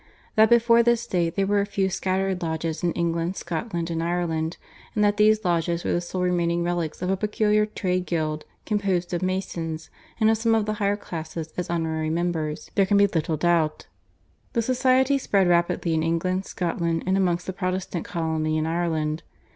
That before this date there were a few scattered lodges in England, Scotland, and Ireland, and that these lodges were the sole remaining relics of a peculiar trade guild, composed of masons and of some of the higher classes as honorary members, there can be little doubt. The society spread rapidly in England, Scotland, and amongst the Protestant colony in Ireland.